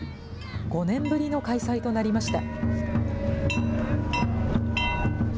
５年ぶりの開催となりました。